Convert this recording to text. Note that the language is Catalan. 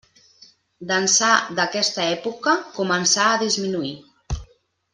D'ençà d'aquesta època, començà a disminuir.